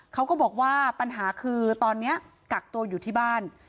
เขาก็บอกว่าปัญหาคือตอนนี้กักตัวอยู่ที่บ้าน